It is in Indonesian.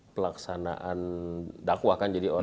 pelaksanaan dakwah kan jadi orang